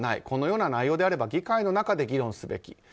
このような内容であれば議会の中で議論すべき。